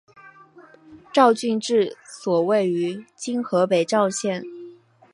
赵郡治所位于今河北赵县。